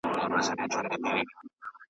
آوازونه د بلبلو هر گلبوټی ترانه ده .